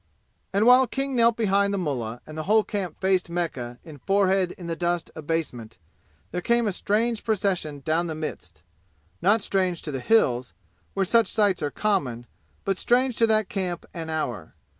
And while King knelt behind the mullah and the whole camp faced Mecca in forehead in the dust abasement there came a strange procession down the midst not strange to the "Hills," where such sights are common, but strange to that camp and hour.